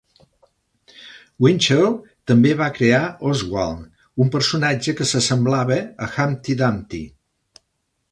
Winchell també va crear Ozwald, un personatge que s'assemblava a Humpty Dumpty.